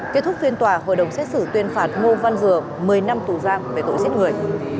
kết thúc phiên tòa hội đồng xét xử tuyên phạt ngô văn dừa một mươi năm tù giam về tội giết người